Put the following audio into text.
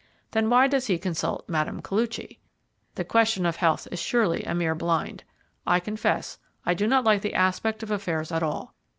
Then why does he consult Mme. Koluchy? The question of health is surely a mere blind. I confess I do not like the aspect of affairs at all.